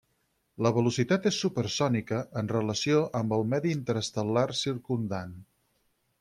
La velocitat és supersònica en relació amb el medi interestel·lar circumdant.